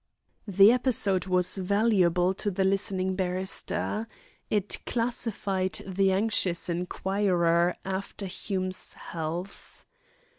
The episode was valuable to the listening barrister. It classified the anxious inquirer after Hume's health.